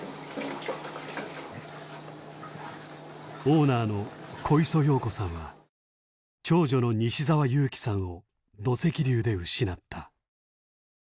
オーナーの小磯洋子さんは長女の西澤友紀さんを土石流で失った。